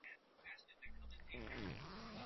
kwamba mwanga wa jua aa unabeba